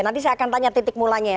nanti saya akan tanya titik mulanya ya